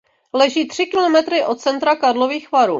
Leží tři kilometry od centra Karlových Varů.